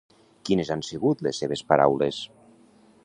Quines han sigut les seves paraules?